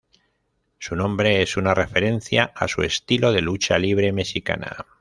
Su nombre es una referencia a su estilo de lucha libre mexicana.